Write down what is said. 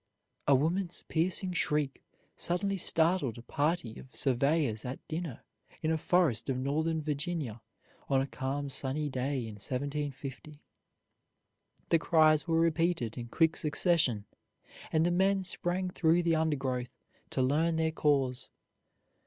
A woman's piercing shriek suddenly startled a party of surveyors at dinner in a forest of northern Virginia on a calm, sunny day in 1750. The cries were repeated in quick succession, and the men sprang through the undergrowth to learn their cause.